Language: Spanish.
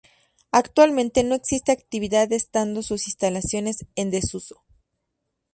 Actualmente no existe actividad estando sus instalaciones en desuso.